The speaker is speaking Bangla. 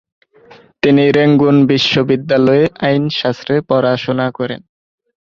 তিনি রেঙ্গুন বিশ্ববিদ্যালয়ে আইনশাস্ত্রে পড়াশোনা করেন।